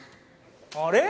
あれ？